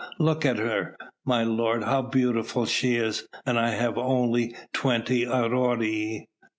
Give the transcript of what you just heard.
look at her, my lord, how beautiful she is! and I have only twenty aurei!"